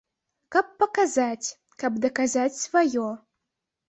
Каб паказаць, каб даказаць сваё.